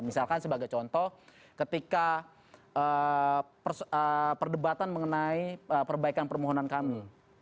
misalkan sebagai contoh ketika perdebatan mengenai perbaikan permohonan kami